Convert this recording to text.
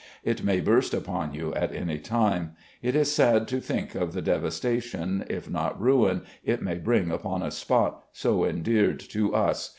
It may burst upon you at any time. It is sad to think of the devastation, if not ruin, it may bring upon a spot so endeared to us.